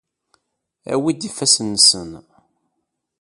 Awi-d ifassen-nsen.